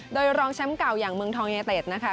โดยรองแชมป์เก่าอย่างเมืองทองยูเนเต็ดนะคะ